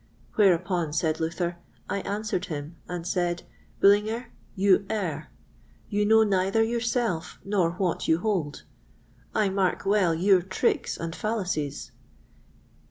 Whereupon, said Luther, I answered him and said, "Bullinger, you err: you know neither yourself nor what you hold; I mark well your tricks and fallacies.